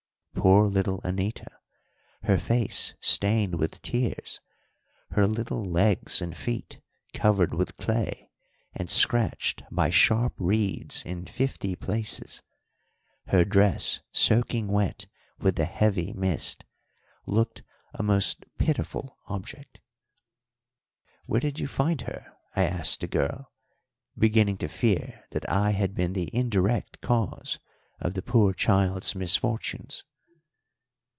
Poor little Anita! her face stained with tears, her little legs and feet covered with clay and scratched by sharp reeds in fifty places, her dress soaking wet with the heavy mist, looked a most pitiful object. "Where did you find her?" I asked the girl, beginning to fear that I had been the indirect cause of the poor child's misfortunes.